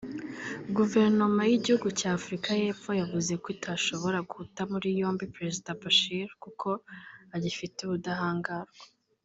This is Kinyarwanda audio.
Guverinoma y’igihugu cya Afrika y’Epfo yavuze ko itashoboraga guta muri yombi Perezida Bashir kuko agifite ubudahangarwa